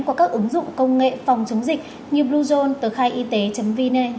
qua các ứng dụng công nghệ phòng chống dịch như bluezone tờ khai y tế vn